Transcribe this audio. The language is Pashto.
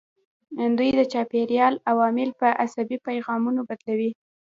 دوی د چاپیریال عوامل په عصبي پیغامونو بدلوي.